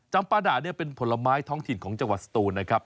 ปลาด่าเนี่ยเป็นผลไม้ท้องถิ่นของจังหวัดสตูนนะครับ